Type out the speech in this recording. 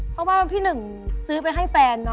เพราะว่าพี่หนึ่งซื้อไปให้แฟน